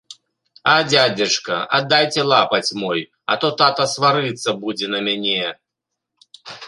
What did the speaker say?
А дзядзечка, аддайце лапаць мой, а то тата сварыцца будзе на мяне!